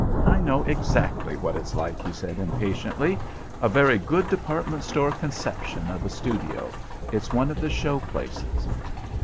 "I know exactly what it's like," he said impatiently. "A very good department store conception of a studio. It's one of the show places."